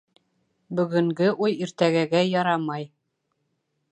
Бөгөнгө уй иртәгәгә ярамай.